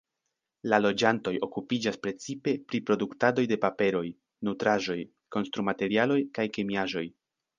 La loĝantoj okupiĝas precipe pri produktadoj de paperoj, nutraĵoj, konstrumaterialoj kaj kemiaĵoj.